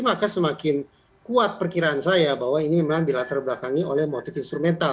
maka semakin kuat perkiraan saya bahwa ini memang dilatar belakangi oleh motif instrumental